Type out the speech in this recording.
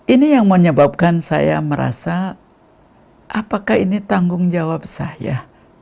ini yang menyebabkan saya merasa apakah ini tanggung jawab saya